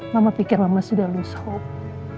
mama pikir mama sudah lose hope